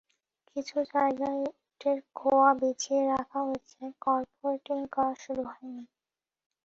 কিছু জায়গায় ইটের খোয়া বিছিয়ে রাখা হয়েছে, কার্পেটিং করা শুরু হয়নি।